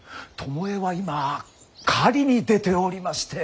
巴は今狩りに出ておりまして。